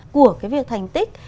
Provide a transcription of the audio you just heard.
của cái việc thành tích